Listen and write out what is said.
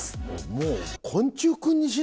もう。